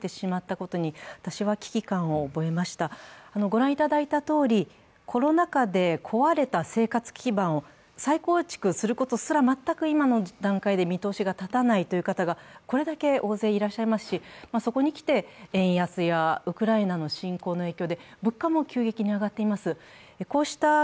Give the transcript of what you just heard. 御覧いただいたとおり、コロナ禍で壊れた生活基盤を再構築することすら全く今の段階で見通しが立たないという方がこれだけ大勢いらっしゃいますし、そこにきて円安やウクライナの侵攻の影響で物価も急激に上がっています。